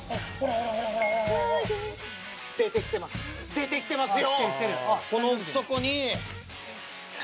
出てきてますよ。